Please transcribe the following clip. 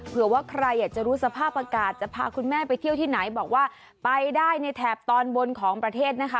เผื่อว่าใครอยากจะรู้สภาพอากาศจะพาคุณแม่ไปเที่ยวที่ไหนบอกว่าไปได้ในแถบตอนบนของประเทศนะคะ